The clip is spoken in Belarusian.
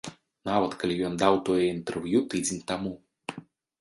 Нават калі ён даў тое інтэрв'ю тыдзень таму.